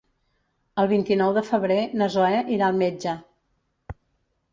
El vint-i-nou de febrer na Zoè irà al metge.